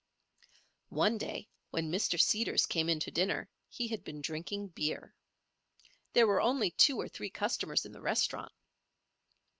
One day when Mr. Seeders came in to dinner he had been drinking beer. There were only two or three customers in the restaurant.